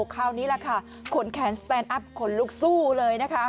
คราวนี้แหละค่ะขนแขนสแตนอัพขนลุกสู้เลยนะคะ